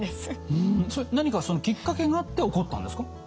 それその何かきっかけがあって起こったんですか？